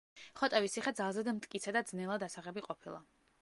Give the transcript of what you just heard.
ხოტევის ციხე ძალზედ მტკიცე და ძნელად ასაღები ყოფილა.